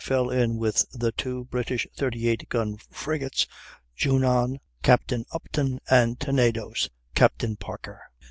fell in with the two British 38 gun frigates Junon, Captain Upton, and Tenedos, Captain Parker.